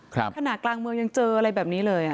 ขณะกลางเมืองยังเจออะไรแบบนี้เลยอ่ะ